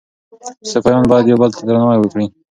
سپایان باید یو بل ته درناوی وکړي.